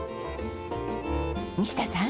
西田さん。